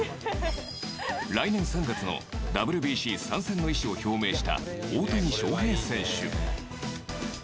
来年３月のＷＢＣ参戦の意思を表明した大谷翔平選手。